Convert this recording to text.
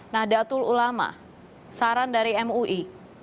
nah datul ulama saran dari mui